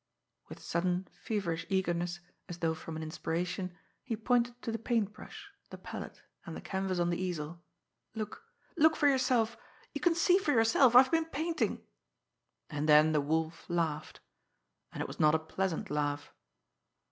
With sudden, feverish eagerness, as though from an inspiration, he pointed to the paint brush, the palette, and the canvas on the easel. "Look! Look for yourself! You can see for yourself! I've been painting." And then the Wolf laughed and it was not a pleasant laugh.